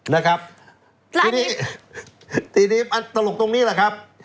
นะครับทีนี้ตลกตรงนี้แหละครับ